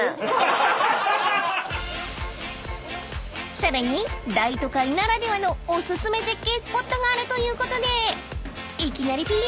［さらに大都会ならではのお薦め絶景スポットがあるということで］